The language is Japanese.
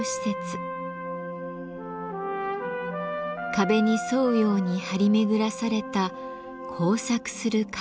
壁に沿うように張り巡らされた交錯する階段。